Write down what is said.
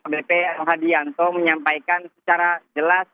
bpl hadianto menyampaikan secara jelas